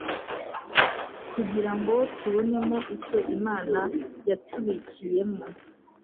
kugira ngo tubonemo icyo Imana yatubikiyemo.